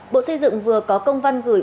bộ xây dựng vừa có công văn gửi